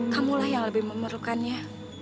kamulah yang lebih memerlukannya